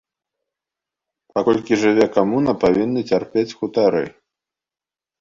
Паколькі жыве камуна, павінны цярпець хутары.